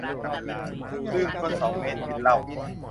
ลืมชวนสองเมตรกินเหล้า